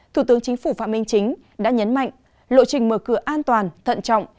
thủ tướng chính phủ phạm minh chính đã nhấn mạnh lộ trình mở cửa an toàn thận trọng